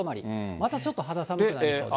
またちょっと肌寒くなりそうです。